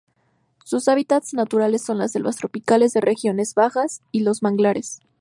Sus hábitats naturales son las selvas tropicales de regiones bajas y los manglares.